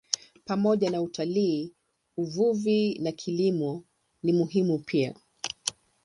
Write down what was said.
Pamoja na utalii, uvuvi na kilimo ni muhimu pia.